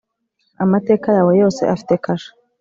amateka yawe yose afite kashe